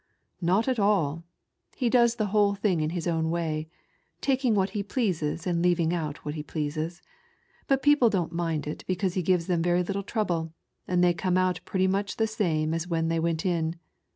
"^ ^^^B " Not at all. He does the whole thing in his own ^^^ way, taking what he pleases and leaving out what he pleasea ; tat people don't mind it because he gives them very Httle trouble, and they come out pretty much the same as when they went in.